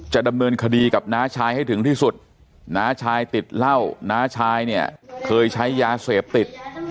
จะดำเนินคดีกับน้าชายให้ถึงที่สุดน้าชายติดเหล้าน้าชายเนี่ยเคยใช้ยาเสพติด